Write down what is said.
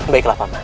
baiklah pak mat